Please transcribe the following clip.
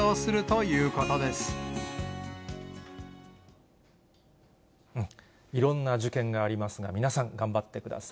いろんな受験がありますが、皆さん、頑張ってください。